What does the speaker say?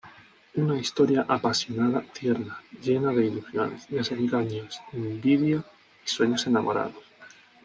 Una historia apasionada, tierna, llena de ilusiones, desengaños, envidia y sueños enamorados.